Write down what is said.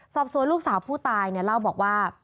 สอบสวนลูกสาวผู้ตายเนี่ยเล่าบอกว่า